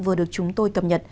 vừa được chúng tôi tập nhận